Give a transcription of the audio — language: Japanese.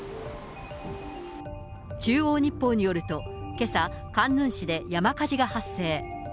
中央日報によるとけさ、カンヌン市で山火事が発生。